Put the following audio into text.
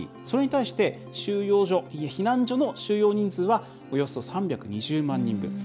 それに対して避難所の収容人数はおよそ３２０万人分。